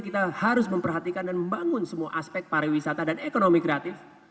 kita harus memperhatikan dan membangun semua aspek pariwisata dan ekonomi kreatif